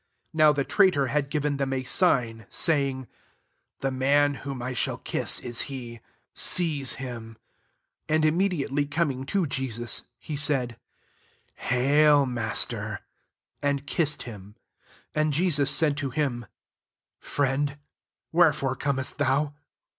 48 Now the traitor had giren them a sign, saying, <' The man whom I shall kiss, is he ; seize him«" 49 And im mediately coming to Jesus» he said, " Hail Master;" and kiss ed him. 50 And Jesus said to him) "Friend, wherefore comest thou